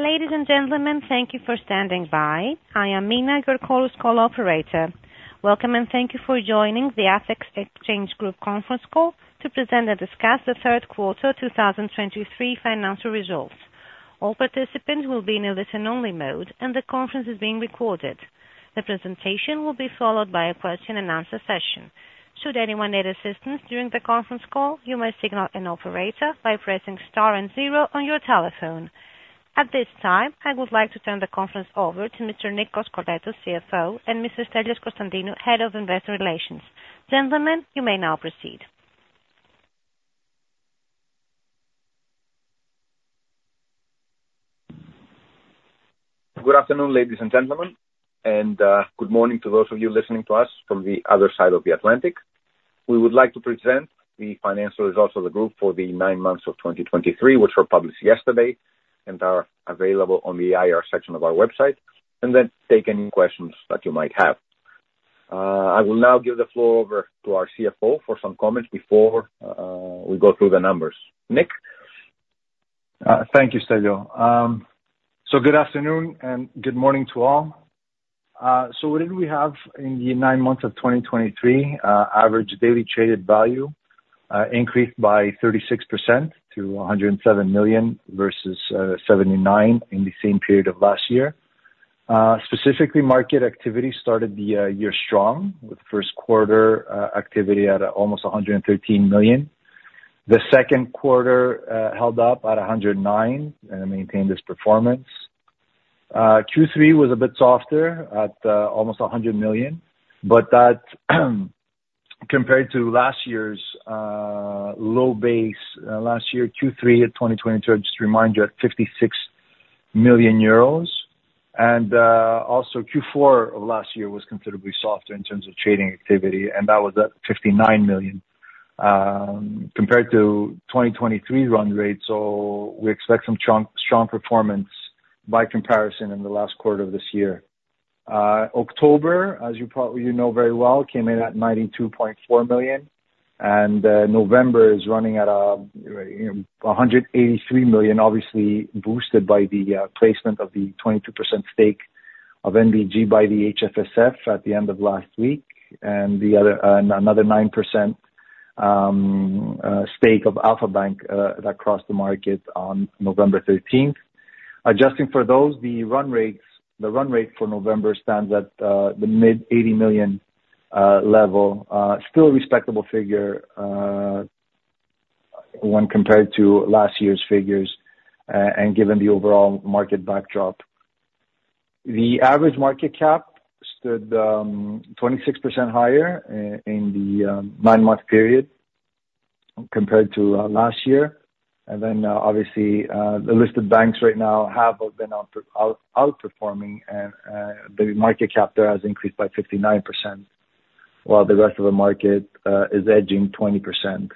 Ladies and gentlemen, thank you for standing by. I am Mina, your call's call operator. Welcome, and thank you for joining the Athens Exchange Group conference call to present and discuss the third quarter 2023 financial results. All participants will be in a listen-only mode, and the conference is being recorded. The presentation will be followed by a question-and-answer session. Should anyone need assistance during the conference call, you may signal an operator by pressing star and zero on your telephone. At this time, I would like to turn the conference over to Mr. Nikos Koskoletos, CFO, and Mr. Stelios Konstantinou, Head of Investor Relations. Gentlemen, you may now proceed. Good afternoon, ladies and gentlemen, and good morning to those of you listening to us from the other side of the Atlantic. We would like to present the financial results of the group for the nine months of 2023, which were published yesterday and are available on the IR section of our website, and then take any questions that you might have. I will now give the floor over to our CFO for some comments before we go through the numbers. Nick? Thank you, Stelios. So good afternoon and good morning to all. So what did we have in the nine months of 2023? Average daily traded value increased by 36% to 107 million versus 79 in the same period of last year. Specifically, market activity started the year strong, with first quarter activity at almost 113 million. The second quarter held up at 109 million and maintained its performance. Q3 was a bit softer at almost 100 million, but that, compared to last year's low base, last year Q3 at 2022, just to remind you, at 56 million euros. Also, Q4 of last year was considerably softer in terms of trading activity, and that was at 59 million compared to 2023 run rate. So we expect some strong, strong performance by comparison in the last quarter of this year. October, as you probably know very well, came in at 92.4 million, and November is running at 183 million, obviously boosted by the placement of the 22% stake of NBG by the HFSF at the end of last week, and another 9% stake of Alpha Bank that crossed the market on November 13. Adjusting for those, the run rate for November stands at the mid 80 million level. Still a respectable figure, when compared to last year's figures, and given the overall market backdrop. The average market cap stood 26% higher, in the nine-month period compared to last year. And then, obviously, the listed banks right now have been outperforming and, the market cap there has increased by 59%, while the rest of the market is edging 20%.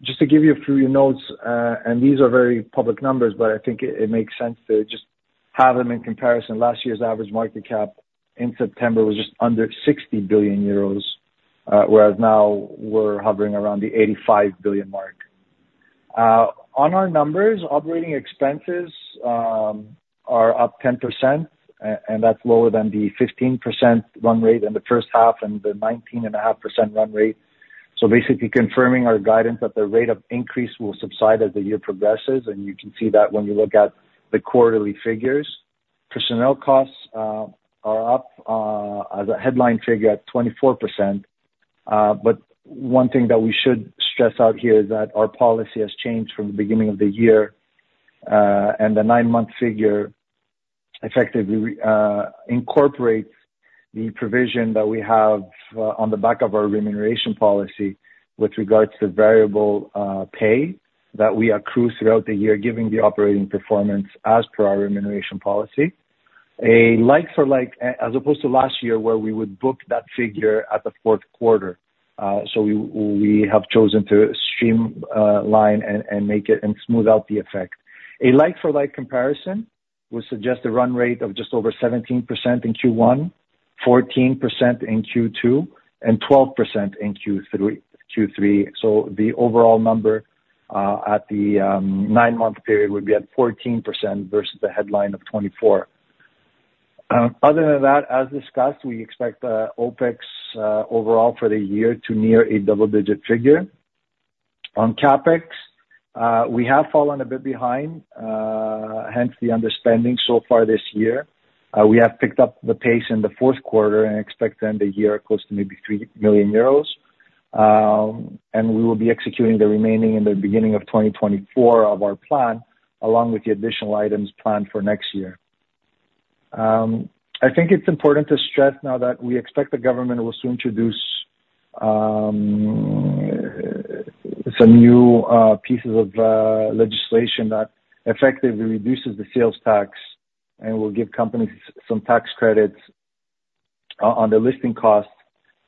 Just to give you a few notes, and these are very public numbers, but I think it makes sense to just have them in comparison. Last year's average market cap in September was just under 60 billion euros, whereas now we're hovering around the 85 billion mark. On our numbers, operating expenses are up 10%, and that's lower than the 15% run rate in the first half, and the 19.5% run rate. So basically confirming our guidance that the rate of increase will subside as the year progresses, and you can see that when you look at the quarterly figures. Personnel costs are up, as a headline figure, at 24%. But one thing that we should stress out here is that our policy has changed from the beginning of the year, and the 9-month figure effectively reincorporates the provision that we have, on the back of our remuneration policy with regards to variable pay, that we accrue throughout the year, given the operating performance as per our remuneration policy. A like-for-like, as opposed to last year, where we would book that figure at the fourth quarter. So we have chosen to straight-line and smooth out the effect. A like-for-like comparison would suggest a run rate of just over 17% in Q1, 14% in Q2, and 12% in Q3. So the overall number at the nine-month period would be at 14% versus the headline of 24%. Other than that, as discussed, we expect OpEx overall for the year to near a double-digit figure. On CapEx, we have fallen a bit behind, hence the underspending so far this year. We have picked up the pace in the fourth quarter and expect to end the year close to maybe 3 million euros. And we will be executing the remaining in the beginning of 2024 of our plan, along with the additional items planned for next year. I think it's important to stress now that we expect the government will soon introduce some new pieces of legislation that effectively reduces the sales tax and will give companies some tax credits on the listing costs.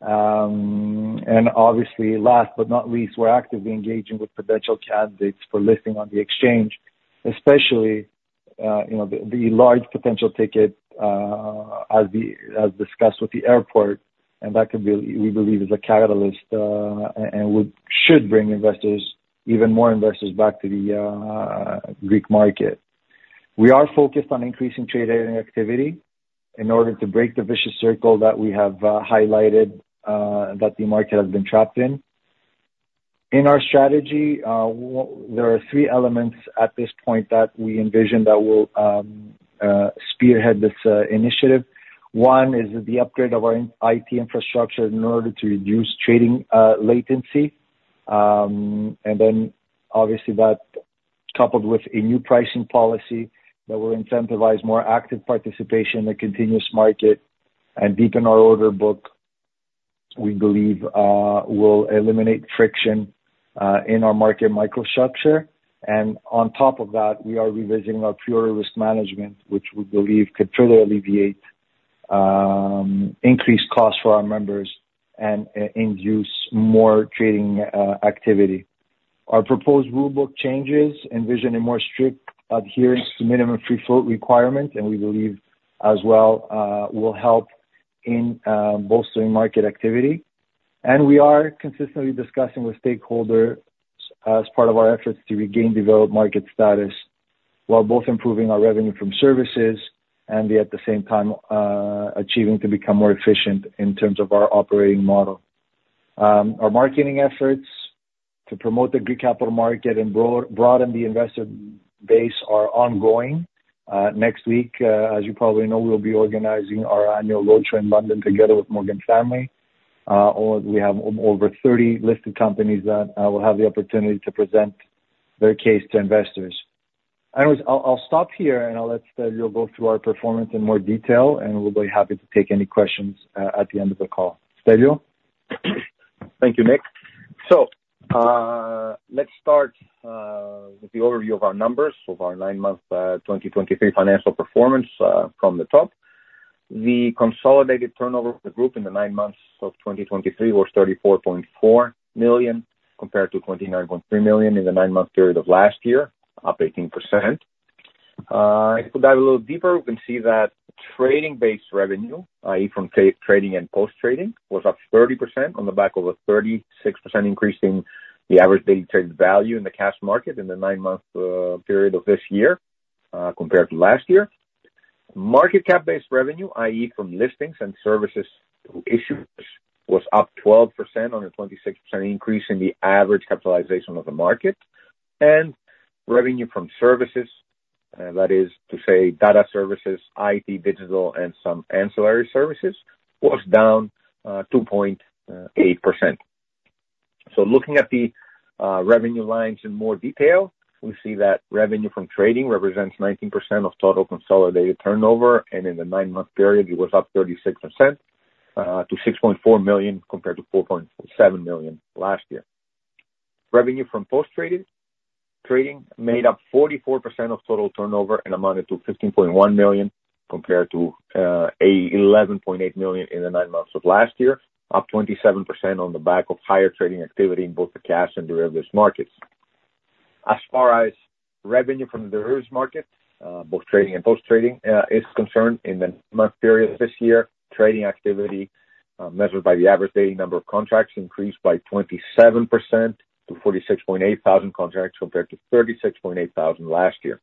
And obviously, last but not least, we're actively engaging with potential candidates for listing on the exchange, especially you know, the large potential ticket, as we discussed with the airport, and that could be, we believe, is a catalyst, and would should bring investors, even more investors back to the Greek market. We are focused on increasing trading activity in order to break the vicious circle that we have highlighted that the market has been trapped in. In our strategy, there are three elements at this point that we envision that will spearhead this initiative. One is the upgrade of our IT infrastructure in order to reduce trading latency. And then obviously, that coupled with a new pricing policy that will incentivize more active participation in the continuous market and deepen our order book, we believe will eliminate friction in our market microstructure. And on top of that, we are revisiting our pure risk management, which we believe could further alleviate increased costs for our members and induce more trading activity. Our proposed rule book changes envision a more strict adherence to minimum free float requirement, and we believe as well will help in bolstering market activity. We are consistently discussing with stakeholders as part of our efforts to regain Developed Market status, while both improving our revenue from services and at the same time achieving to become more efficient in terms of our operating model. Our marketing efforts to promote the Greek capital market and broaden the investor base are ongoing. Next week, as you probably know, we'll be organizing our annual roadshow in London together with Morgan Stanley. We have over 30 listed companies that will have the opportunity to present their case to investors. Anyways, I'll, I'll stop here, and I'll let Stelios go through our performance in more detail, and we'll be happy to take any questions at the end of the call. Stelios? Thank you, Nick. So, let's start with the overview of our numbers of our nine-month 2023 financial performance from the top. The consolidated turnover of the group in the nine months of 2023 was 34.4 million, compared to 29.3 million in the nine-month period of last year, up 18%. If we dive a little deeper, we can see that trading-based revenue, i.e., from trading and post-trading, was up 30% on the back of a 36% increase in the average daily trade value in the cash market in the nine-month period of this year compared to last year. Market cap-based revenue, i.e., from listings and services issues, was up 12% on a 26% increase in the average capitalization of the market. Revenue from services, that is to say, data services, IT, digital, and some ancillary services, was down 2.8%. So looking at the revenue lines in more detail, we see that revenue from trading represents 19% of total consolidated turnover, and in the 9-month period, it was up 36% to 6.4 million, compared to 4.7 million last year. Revenue from post-trading made up 44% of total turnover and amounted to 15.1 million, compared to 11.8 million in the nine months of last year, up 27% on the back of higher trading activity in both the cash and derivatives markets. As far as revenue from derivatives market, both Trading and Post-trading, is concerned, in the month period this year, trading activity, measured by the average daily number of contracts, increased by 27% to 46.8 thousand contracts, compared to 36.8 thousand last year.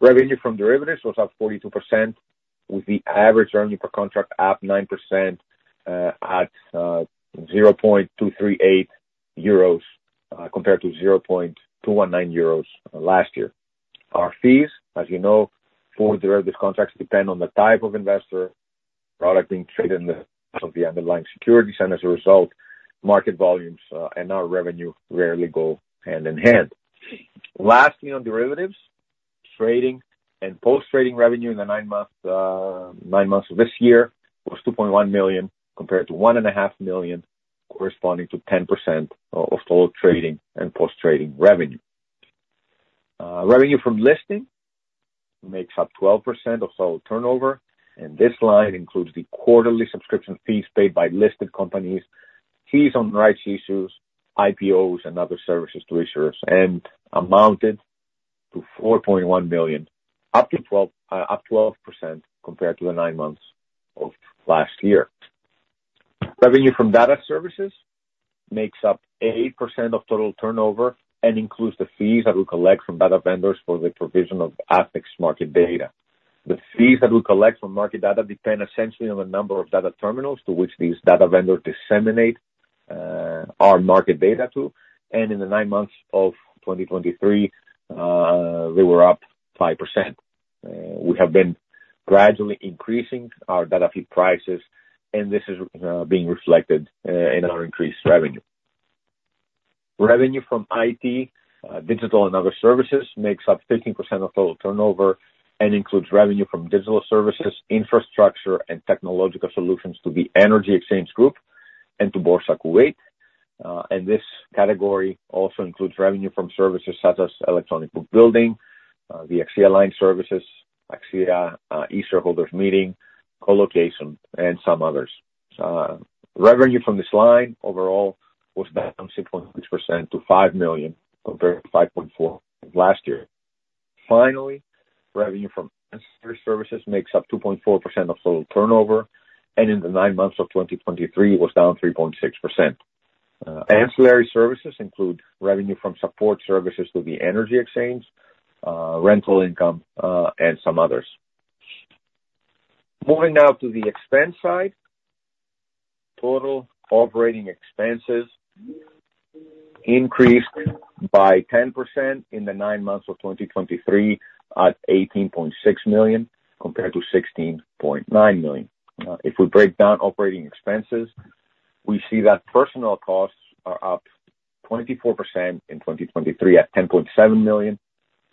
Revenue from derivatives was up 42%, with the average earning per contract up 9% at 0.238 EUR, compared to 0.219 euros last year. Our fees, as you know, for derivatives contracts depend on the type of investor, product being traded, and of the underlying securities, and as a result, market volumes and our revenue rarely go hand in hand. Lastly, on derivatives, trading and post-trading revenue in the nine months of this year was 2.1 million, compared to 1.5 million, corresponding to 10% of total trading and post-trading revenue. Revenue from listing makes up 12% of total turnover, and this line includes the quarterly subscription fees paid by listed companies, fees on rights issues, IPOs, and other services to issuers, and amounted to 4.1 billion, up 12% compared to the nine months of last year. Revenue from data services makes up 8% of total turnover and includes the fees that we collect from data vendors for the provision of Athens market data. The fees that we collect from market data depend essentially on the number of data terminals to which these data vendors disseminate our market data to, and in the nine months of 2023, they were up 5%. We have been gradually increasing our data feed prices, and this is being reflected in our increased revenue. Revenue from IT digital and other services makes up 13% of total turnover and includes revenue from digital services, infrastructure, and technological solutions to the Energy Exchange Group and to Boursa Kuwait. This category also includes revenue from services such as electronic book building, the CSE Alliance services, AXIA, shareholders meeting, co-location, and some others. Revenue from this line overall was down 6.6% to 5 million, compared to 5.4 million last year. Finally, revenue from ancillary services makes up 2.4% of total turnover, and in the nine months of 2023, it was down 3.6%. Ancillary services include revenue from support services to the energy exchange, rental income, and some others. Moving now to the expense side, total operating expenses increased by 10% in the nine months of 2023, at 18.6 million, compared to 16.9 million. If we break down operating expenses, we see that personnel costs are up 24% in 2023, at 10.7 million,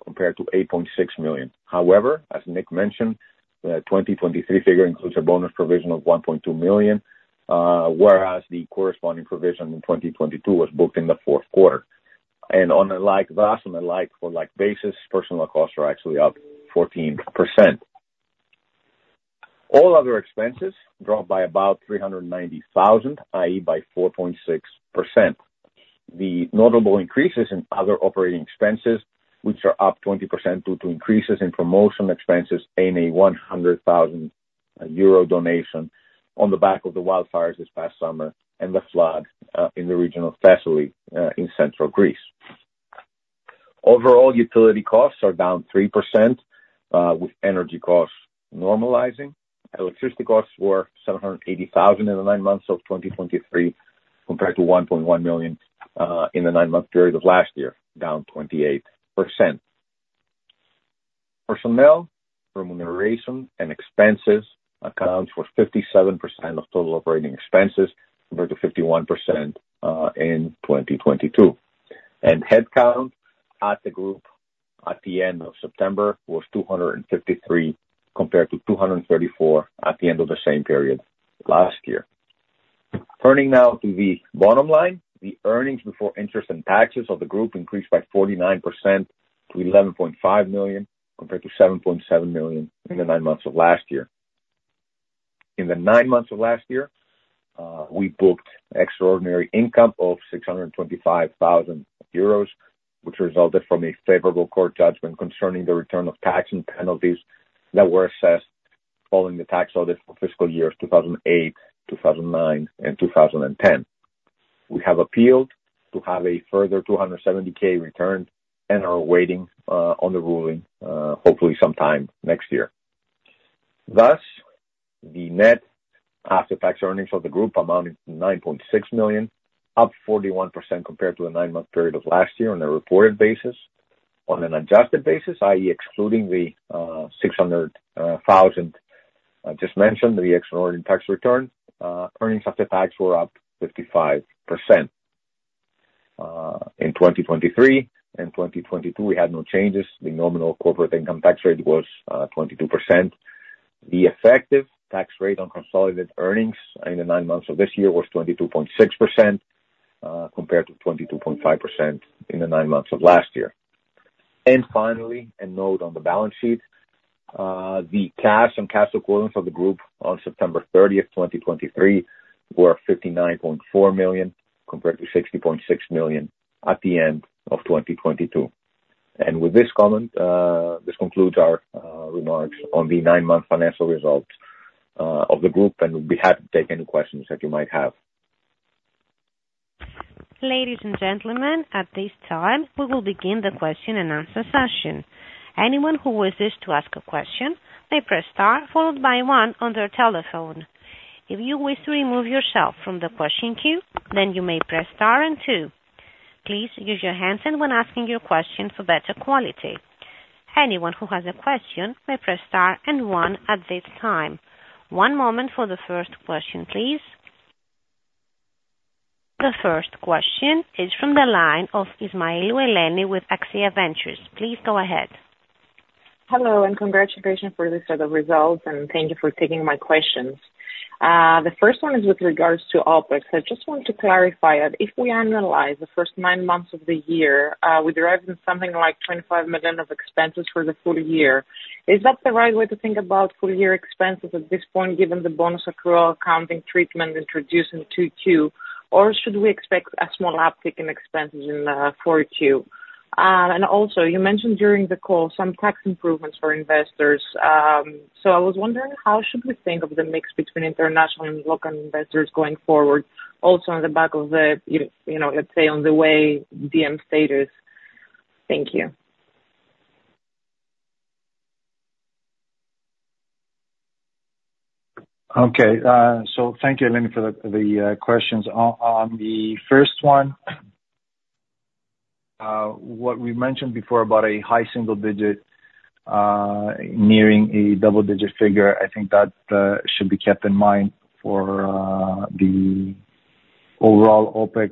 compared to 8.6 million. However, as Nick mentioned, the 2023 figure includes a bonus provision of 1.2 million, whereas the corresponding provision in 2022 was booked in the fourth quarter. On a like-for-like basis, personal costs are actually up 14%. All other expenses dropped by about 390,000, i.e., by 4.6%. The notable increases in other operating expenses, which are up 20% due to increases in promotion expenses, paying a 100,000 euro donation on the back of the wildfires this past summer and the flood in the region of Thessaly in central Greece. Overall, utility costs are down 3%, with energy costs normalizing. Electricity costs were 780,000 in the nine months of 2023, compared to 1.1 million in the nine-month period of last year, down 28%. Personnel remuneration and expenses account for 57% of total operating expenses, compared to 51% in 2022. Headcount at the group at the end of September was 253, compared to 234 at the end of the same period last year. Turning now to the bottom line, the earnings before interest and taxes of the group increased by 49% to 11.5 million, compared to 7.7 million in the nine months of last year. In the nine months of last year, we booked extraordinary income of 625,000 euros, which resulted from a favorable court judgment concerning the return of tax and penalties that were assessed following the tax audit for fiscal years 2008, 2009, and 2010. We have appealed to have a further 270,000 returned and are waiting on the ruling, hopefully sometime next year. Thus, the net after-tax earnings for the group amounted to 9.6 million, up 41% compared to the nine-month period of last year on a reported basis. On an adjusted basis, i.e., excluding the 600,000 I just mentioned, the extraordinary tax return, earnings after tax were up 55%. In 2023 and 2022, we had no changes. The nominal corporate income tax rate was 22%. The effective tax rate on consolidated earnings in the nine months of this year was 22.6%, compared to 22.5% in the nine months of last year. And finally, a note on the balance sheet. The cash and cash equivalents for the group on September 30, 2023, were 59.4 million, compared to 60.6 million at the end of 2022. With this comment, this concludes our remarks on the nine-month financial results of the group, and we'll be happy to take any questions that you might have. Ladies and gentlemen, at this time, we will begin the question-and-answer session. Anyone who wishes to ask a question may press star, followed by one on their telephone. If you wish to remove yourself from the question queue, then you may press star and two. Please use your handset when asking your question for better quality. Anyone who has a question may press star and one at this time. One moment for the first question, please. The first question is from the line of Eleni Ismailou with AXIA Ventures. Please go ahead. Hello, and congratulations for the set of results, and thank you for taking my questions. The first one is with regards to OpEx. I just wanted to clarify that if we annualize the first nine months of the year, we derive something like 25 million of expenses for the full-year. Is that the right way to think about full-year expenses at this point, given the bonus accrual accounting treatment introduced in 2022, or should we expect a small uptick in expenses in Q4 2022? And also, you mentioned during the call some tax improvements for investors. So I was wondering, how should we think of the mix between international and local investors going forward? Also, on the back of the, you know, let's say, on the way DM status. Thank you. Okay, so thank you, Eleni, for the questions. On the first one, what we mentioned before about a high single digit nearing a double-digit figure, I think that should be kept in mind for the overall OpEx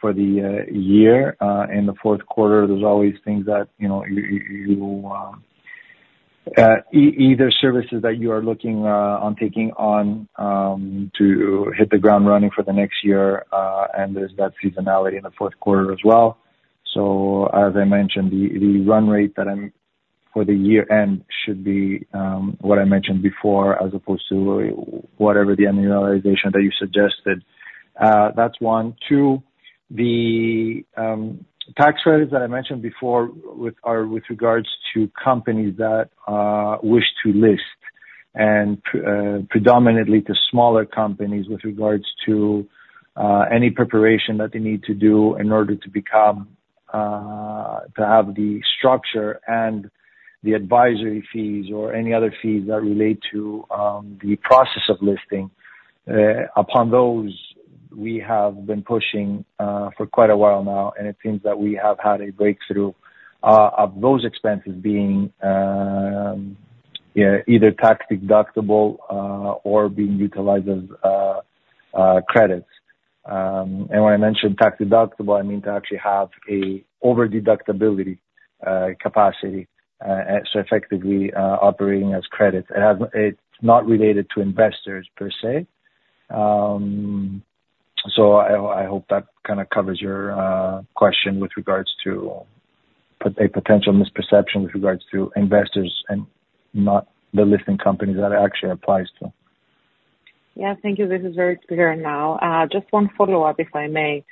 for the year. In the fourth quarter, there's always things that, you know, you either services that you are looking on taking on to hit the ground running for the next year, and there's that seasonality in the fourth quarter as well. ... So as I mentioned, the run rate that I'm for the year-end should be what I mentioned before, as opposed to whatever the annualization that you suggested. That's one. Two, the tax credits that I mentioned before are with regards to companies that wish to list, and predominantly to smaller companies with regards to any preparation that they need to do in order to become to have the structure and the advisory fees or any other fees that relate to the process of listing. Upon those, we have been pushing for quite a while now, and it seems that we have had a breakthrough of those expenses being yeah, either tax deductible or being utilized as credits. When I mentioned tax deductible, I mean to actually have an over-deductibility capacity, so effectively operating as credits. It's not related to investors per se. I hope that kind of covers your question with regards to a potential misperception with regards to investors and not the listing companies that it actually applies to. Yeah, thank you. This is very clear now. Just one follow-up, if I may.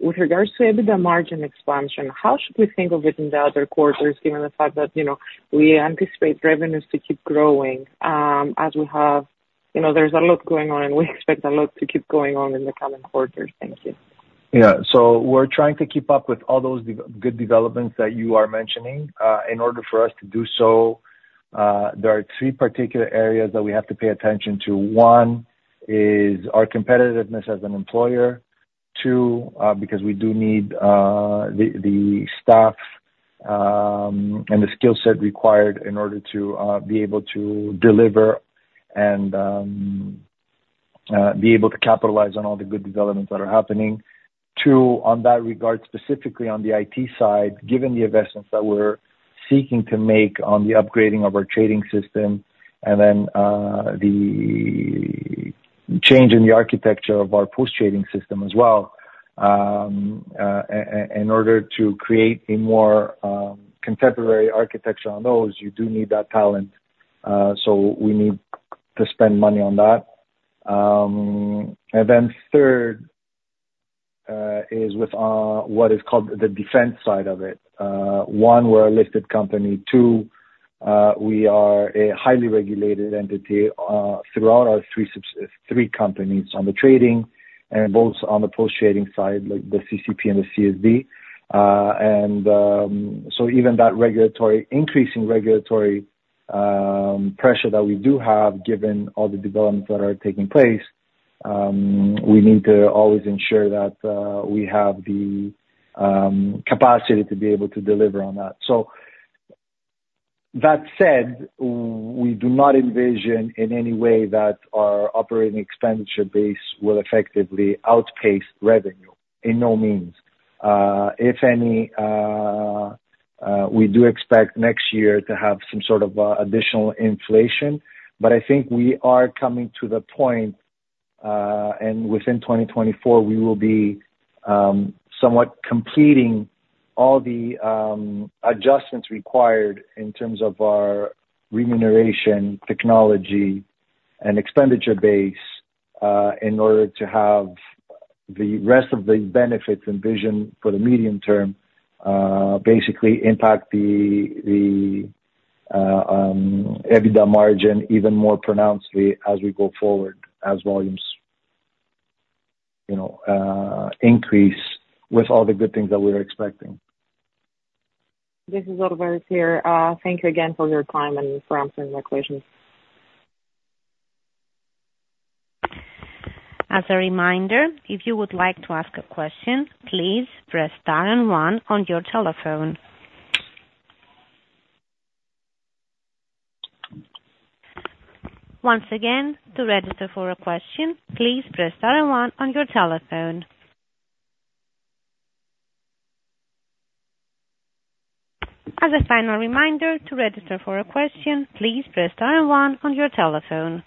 With regards to EBITDA margin expansion, how should we think of it in the other quarters, given the fact that, you know, we anticipate revenues to keep growing, as we have... You know, there's a lot going on, and we expect a lot to keep going on in the coming quarters. Thank you. Yeah. So we're trying to keep up with all those good developments that you are mentioning. In order for us to do so, there are three particular areas that we have to pay attention to. One, is our competitiveness as an employer. Two, because we do need the staff and the skill set required in order to be able to deliver and be able to capitalize on all the good developments that are happening. Two, on that regard, specifically on the IT side, given the investments that we're seeking to make on the upgrading of our trading system, and then the change in the architecture of our post-trading system as well. In order to create a more contemporary architecture on those, you do need that talent, so we need to spend money on that. And then third is with what is called the defense side of it. One, we're a listed company. Two, we are a highly regulated entity throughout our three companies on the trading and both on the post-trading side, like the CCP and the CSD. And so even that regulatory, increasing regulatory pressure that we do have, given all the developments that are taking place, we need to always ensure that we have the capacity to be able to deliver on that. So, that said, we do not envision in any way that our operating expenditure base will effectively outpace revenue, by no means. If any, we do expect next year to have some sort of additional inflation, but I think we are coming to the point, and within 2024, we will be somewhat completing all the adjustments required in terms of our remuneration, technology, and expenditure base, in order to have the rest of the benefits envisioned for the medium term, basically impact the EBITDA margin even more pronouncedly as we go forward, as volumes, you know, increase with all the good things that we are expecting. This is all very clear here. Thank you again for your time and for answering my questions. As a reminder, if you would like to ask a question, please press star and one on your telephone. Once again, to register for a question, please press star and one on your telephone. As a final reminder, to register for a question, please press star and one on your telephone.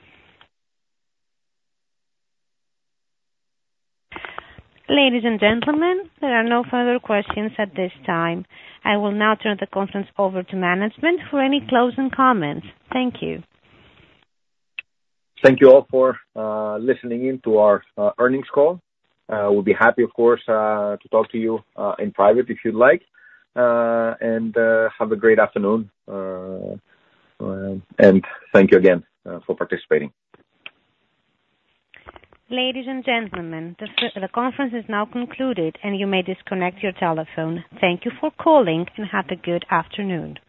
Ladies and gentlemen, there are no further questions at this time. I will now turn the conference over to management for any closing comments. Thank you. Thank you all for listening in to our earnings call. We'll be happy, of course, to talk to you in private, if you'd like. Have a great afternoon, and thank you again for participating. Ladies and gentlemen, the conference is now concluded, and you may disconnect your telephone. Thank you for calling, and have a good afternoon.